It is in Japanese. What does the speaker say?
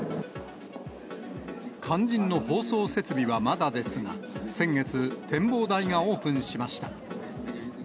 肝心の放送設備はまだですが、先月、展望台がオープンしました。